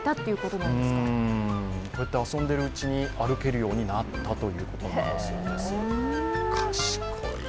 こうやって遊んでいるうちに歩けるようになったそうです。